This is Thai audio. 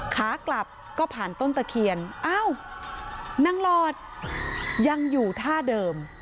ขากลับก็ผ่านต้นตะเคียนอ้าวนางหลอดยังอยู่ท่าเดิม